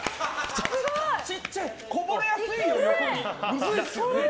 ちっちゃいこぼれやすいよ、横に。